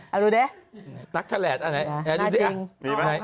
เอาดูดิตั๊กทะแหลดเอาไหนหน้าจริงมีไหม